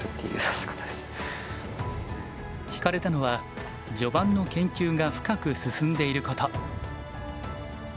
ひかれたのは序盤の研究が深く進んでいること。